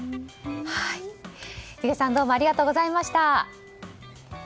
弓削さんどうもありがとうございました。